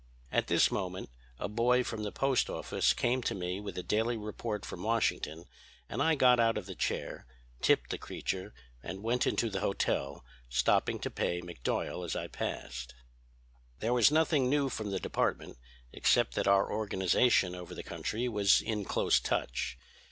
"At this moment a boy from the post office came to me with the daily report from Washington, and I got out of the chair, tipped the creature, and went into the hotel, stopping to pay McDuyal as I passed. "There was nothing new from the department except that our organization over the country was in close touch.